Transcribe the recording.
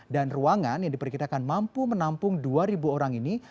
dan ruangan yang diperkirakan mampu menampung dua orang ini